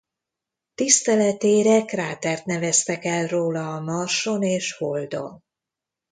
Tiszteletére krátert neveztek el róla a Marson és Holdon.